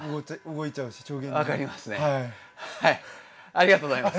ありがとうございます。